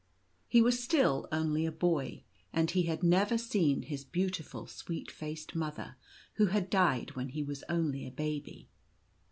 He was still only a boy, and he had never seen his beautiful sweet faced mother, who had died when he was only a baby.